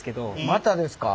「またですか」